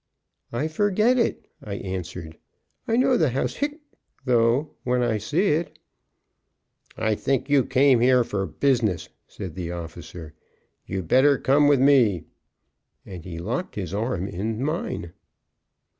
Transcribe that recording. "I forget it," I answered, "I know the house (hic), though, when I see it." "I think you came here for business," said the officer. "You better come with me." And he locked his arm in mine.